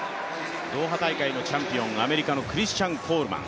ドーハ大会のチャンピオン、アメリカのクリスチャン・コールマン。